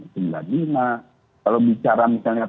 kalau bicara misalnya